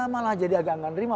malah jadi agak nggak nerima